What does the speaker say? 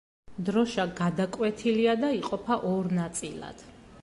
დროშა გადაკვეთილია და იყოფა ორ ნაწილად.